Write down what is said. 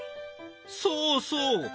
そうそう。